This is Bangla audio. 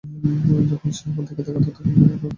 যখন সে আমার দিকে তাকাত, রক্ত আমার হিম হয়ে আসত আতঙ্কে।